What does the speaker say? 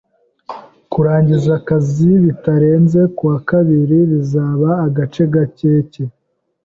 Kurangiza akazi bitarenze kuwa kabiri bizaba agace ka keke.